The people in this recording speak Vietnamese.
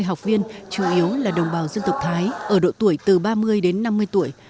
học viên chủ yếu là đồng bào dân tộc thái ở độ tuổi từ ba mươi đến năm mươi tuổi